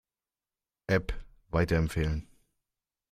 App weiterempfehlen.